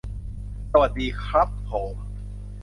สวัสดีครับโผม